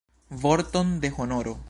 Vorton de honoro!